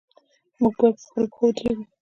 موږ باید په خپلو پښو ودریږو.